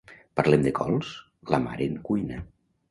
Parlem de cols?, la mare en cuina.